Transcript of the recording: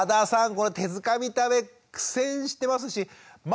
この手づかみ食べ苦戦してますしま